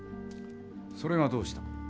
それがどうした？